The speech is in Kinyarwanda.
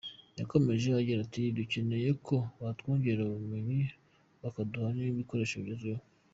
Yakomeje agira ati “Dukeneye ko batwongerera ubumenyi bakaduha n’ibikoresho bigezweho.